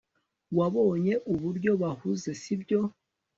wabonye uburyo bahuze, sibyo